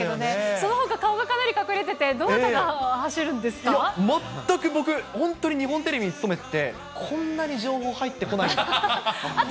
そのほか顔がかなり隠れてて、全く僕、本当に日本テレビに勤めてて、こんなに情報入ってこないんだと。